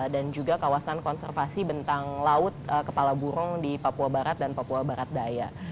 dan juga kawasan konservasi bentang laut kepala burung di papua barat dan papua barat daya